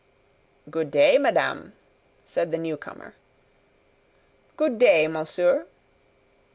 "Good day, madame," said the new comer. "Good day, monsieur."